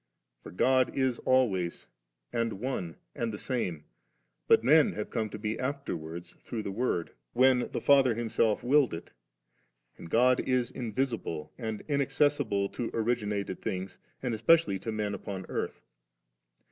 For God is always, and one and the same ; but men have come to be afterwards through the Word, when the Father Himself willed it; and God is invisible and inaccessible to originated things, and especially to men upon earth.